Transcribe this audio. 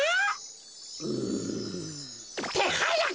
うん。ってはやく！